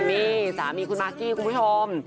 นี่สามีคุณมากกี้คุณผู้ชม